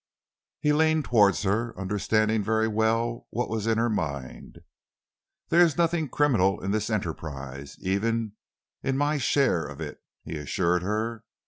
He leaned towards her, understanding very well what was in her mind. "There is nothing criminal in this enterprise even in my share of it," he assured her.